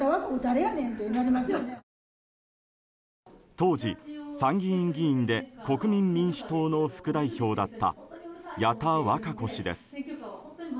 当時、参議院議員で国民民主党の副代表だった矢田稚子氏です。